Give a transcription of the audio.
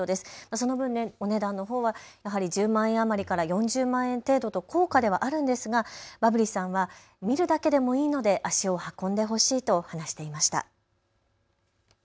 その分、お値段のほうはやはり１０万円余りから４０万円程度と高価ではあるんですがバブリさんは見るだけでもいいので足を運んでほしいと話していました。